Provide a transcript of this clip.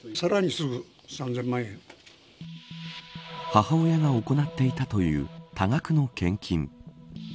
母親が行っていたという多額の献金。